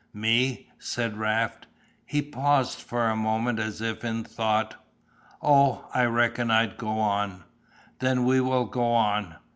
"Me?" said Raft. He paused for a moment as if in thought "Oh, I reckon I'd go on." "Then we will go on."